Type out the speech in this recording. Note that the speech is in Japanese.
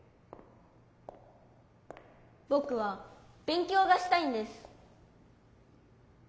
ぼくはべん強がしたいんです。